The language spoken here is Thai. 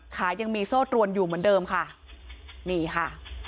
ขายังมีโซ่ตรวนอยู่เหมือนเดิมค่ะนี่ค่ะ